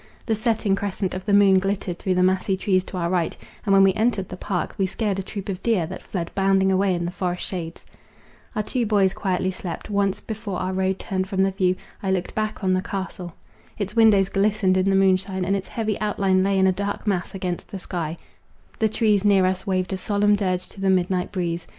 The setting crescent of the moon glittered through the massy trees to our right, and when we entered the park, we scared a troop of deer, that fled bounding away in the forest shades. Our two boys quietly slept; once, before our road turned from the view, I looked back on the castle. Its windows glistened in the moonshine, and its heavy outline lay in a dark mass against the sky—the trees near us waved a solemn dirge to the midnight breeze.